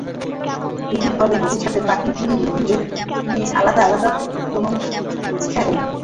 সুযোগ হলে ভবিষ্যতে বাকি বিন্দুগুলো নিয়েও আলাদা আলাদা প্রবন্ধ লেখার ইচ্ছে রইল।